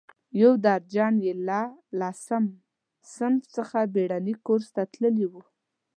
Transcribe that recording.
یو درجن یې له لسم صنف څخه بېړني کورس ته تللي وو.